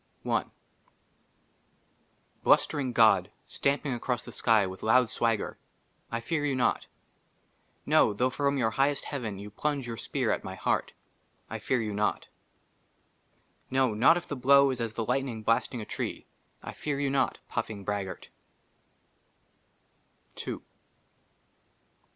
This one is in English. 57 LIU BLUSTERING GOD, STAMPING ACROSS THE SKY WITH LOUD SWAGGER, I FEAR YOU NOT. NO, THOUGH FROM YOUR HIGHEST HEAVEN YOU PLUNGE YOUR SPEAR AT MY HEART, I FEAR YOU NOT. NO, NOT IF THE BLOW IS AS THE LIGHTNING BLASTING A TREE, I FEAR YOU NOT, PUFFING BRAGGART.